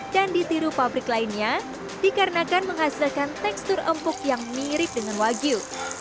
dan ditiru pabrik lainnya dikarenakan menghasilkan tekstur empuk yang mirip dengan wagyu